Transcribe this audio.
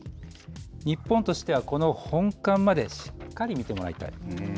日本としては、この本館までしっかり見てもらいたい。